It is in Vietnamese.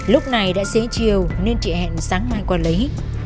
lúc này đã xế chiều nên chị hạnh sáng mai qua lấy